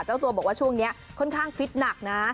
เจ้าตัวบอกว่าช่วงนี้ค่อนข้างฟิตหนักนะ